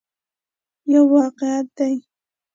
یو واقعیت دی.